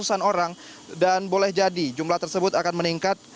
empat ratus an orang dan boleh jadi jumlah tersebut akan meningkat